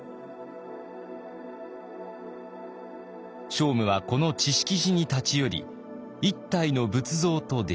聖武はこの智識寺に立ち寄り一体の仏像と出会いました。